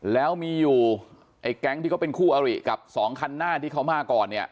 แล้วมีอยู่ไอ้แก๊งที่เขาเป็นคู่อริกับสองคันหน้าที่เขามาก่อนเนี่ย